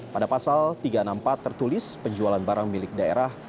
pada pasal tiga ratus enam puluh empat tertulis penjualan barang milik daerah